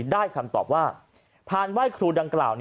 คำตอบว่าพานไหว้ครูดังกล่าว